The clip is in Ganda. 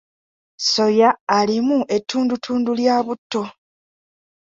Soya alimu ettundutundu lya butto.